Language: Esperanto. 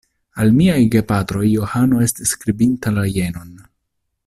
Al miaj gepatroj Johano estis skribinta la jenon: